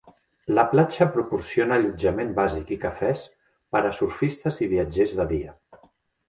La platja proporciona allotjament bàsic i cafès per a surfistes i viatgers de dia.